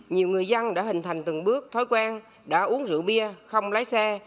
nhiều người dân đã hình thành từng bước thói quen đã uống rượu bia không lái xe